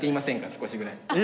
少しぐらい。